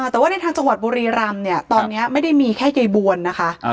แต่ว่าในทางจังหวัดบุรีรำเนี่ยตอนนี้ไม่ได้มีแค่ยายบวลนะคะ